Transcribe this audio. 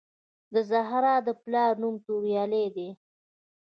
د زهرا د پلار نوم توریالی دی